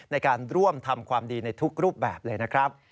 ในการร่วมทำความดีในทุกรูปแบบเลยนะครับ